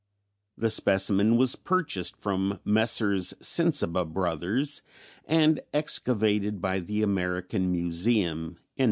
The specimen was purchased from Messrs. Sensiba Brothers and excavated by the American Museum in 1906."